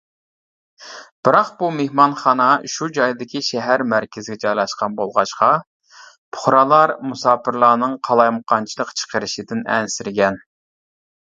بىراق بۇ مېھمانخانا شۇ جايدىكى شەھەر مەركىزىگە جايلاشقان بولغاچقا، پۇقرالار مۇساپىرلارنىڭ قالايمىقانچىلىق چىقىرىشىدىن ئەنسىرىگەن.